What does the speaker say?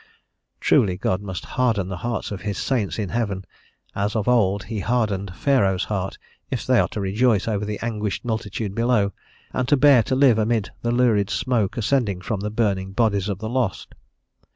Truly God must harden the hearts of his saints in heaven as of old he hardened Pharaoh's heart, if they are to rejoice over the anguished multitude below, and to bear to live amid the lurid smoke ascending from the burning bodies of the lost.